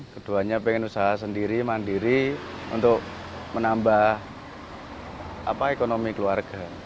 keduanya pengen usaha sendiri mandiri untuk menambah ekonomi keluarga